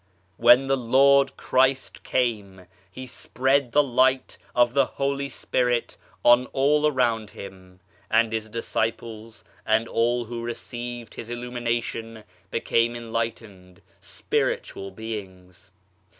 When the Lord Christ came He spread the Light of the Holy Spirit on all around Him, and His disciples and EVOLUTION OF THE SOUL 57 all who received His illumination became enlightened, spiritual beings.